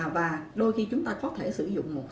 và đôi khi chúng ta có thể sử dụng